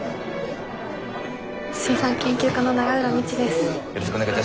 水産研究課の永浦未知です。